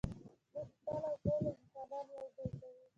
موږ خپله او ټول انسانان یو ځای کوو.